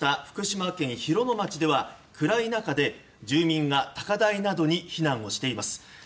福島県広野町では暗い中で住民が高台などに避難をしています。